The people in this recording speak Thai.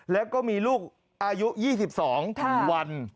แล้วก็มีลูกอายุ๒๒วัน